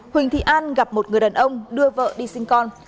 huỳnh thị an gặp một người đàn ông đưa vợ đi sinh con